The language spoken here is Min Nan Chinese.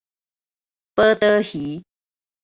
寶刀魚